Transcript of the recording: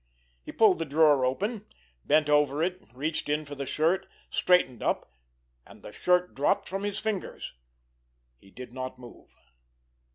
He pulled the drawer open, bent over it, reached in for the shirt, straightened up—and the shirt dropped from his fingers. He did not move.